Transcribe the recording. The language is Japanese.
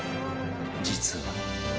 実は